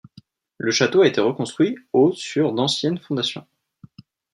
Le château a été reconstruit au sur d'anciennes fondations.